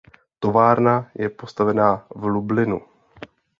Továrna je postavena v Lublinu.